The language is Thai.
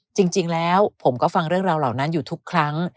จริงแล้วผมก็ฟังเรื่องราวเหล่านั้นอยู่ทุกครั้ง